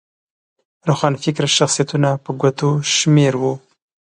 روښانفکره شخصیتونه په ګوتو شمېر وو.